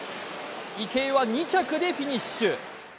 池江は２着でフィニッシュ。